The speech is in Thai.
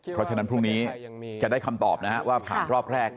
เพราะฉะนั้นพรุ่งนี้จะได้คำตอบนะฮะว่าผ่านรอบแรก